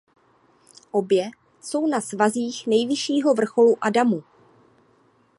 Obě jsou na svazích nejvyššího vrcholu Adamu.